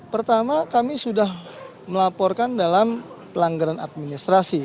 pertama kami sudah melaporkan dalam pelanggaran administrasi